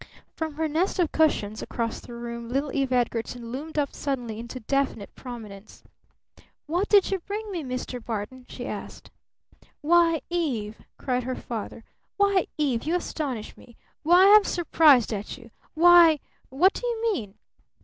From her nest of cushions across the room little Eve Edgarton loomed up suddenly into definite prominence. "What did you bring me, Mr. Barton?" she asked. "Why, Eve!" cried her father. "Why, Eve, you astonish me! Why, I'm surprised at you! Why what do you mean?"